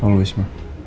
ya allah isma